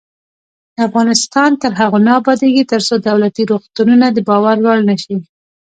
افغانستان تر هغو نه ابادیږي، ترڅو دولتي روغتونونه د باور وړ نشي.